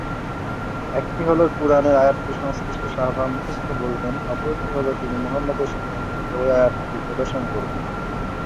একটি হলো-কুরআনের আয়াতটি সংশ্লিষ্ট সাহাবা মুখস্থ বলবেন, অপরটি হলো তিনি মুহাম্মাদ এর সময়ে লিখিত ঐ আয়াতটি প্রদর্শন করবেন।